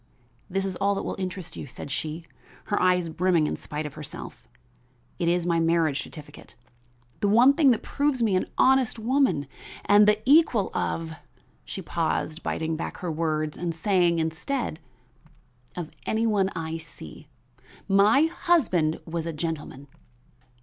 "This is all that will interest you," said she, her eyes brimming in spite of herself. "It is my marriage certificate. The one thing that proves me an honest woman and the equal of " she paused, biting back her words and saying instead "of any one I see. My husband was a gentleman."